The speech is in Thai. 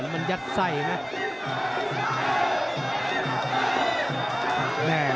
มันยัดไส้นะ